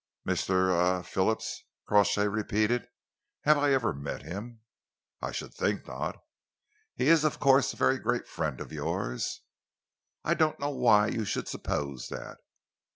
"Mr. er Phillips," Crawshay repeated. "Have I ever met him?" "I should think not." "He is, of course, a very great friend of yours?" "I don't know why you should suppose that."